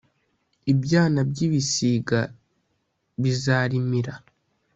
ibyana by ‘ibisiga bizarimira .